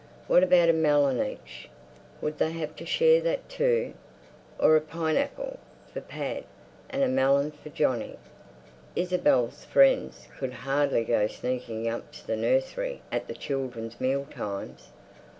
What about a melon each? Would they have to share that, too? Or a pineapple, for Pad, and a melon for Johnny? Isabel's friends could hardly go sneaking up to the nursery at the children's meal times.